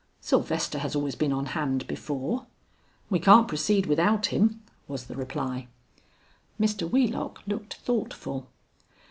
"Sylvester has always been on hand before." "We can't proceed without him," was the reply. Mr. Wheelock looked thoughtful.